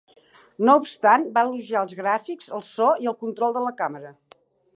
No obstant, va elogiar els gràfics, el so i el control de la càmera.